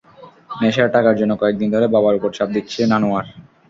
নেশার টাকার জন্য কয়েক দিন ধরে বাবার ওপর চাপ দিচ্ছিলেন আনোয়ার।